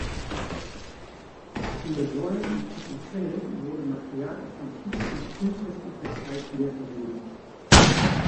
Für Säulen und Kapitelle wurde Material aus Antike und frühchristlicher Zeit wiederverwendet.